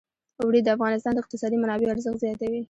اوړي د افغانستان د اقتصادي منابعو ارزښت زیاتوي.